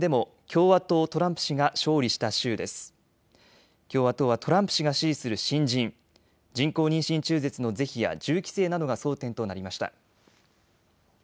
共和党はトランプ氏が支持する新人、人工妊娠中絶の是非や銃規制などが争点となりました。